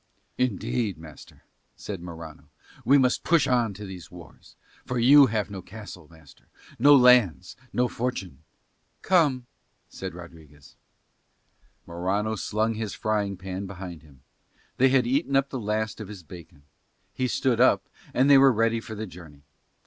"Indeed, master," said Morano, "we must push on to these wars; for you have no castle, master, no lands, no fortune ..." "Come," said Rodriguez. Morano slung his frying pan behind him: they had eaten up the last of his bacon: he stood up, and they were ready for the journey.